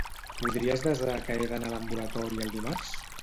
Podries desar que he d'anar a l'ambulatori el dimarts?